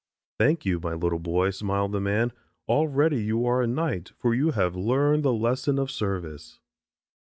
"Thank you, my little boy," smiled the man. "Already you are a knight for you have learned the lesson of service."